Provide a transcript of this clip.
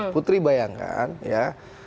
putri bayangkan ya